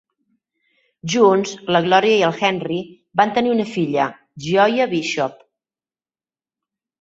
Junts, la Gloria i el Henry van tenir una filla, Gioia Bishop.